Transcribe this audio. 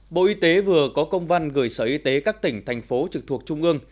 bộ y tế vừa có công văn gửi sở y tế các tỉnh thành phố trực thuộc trung ương